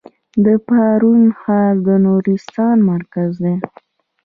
د پارون ښار د نورستان مرکز دی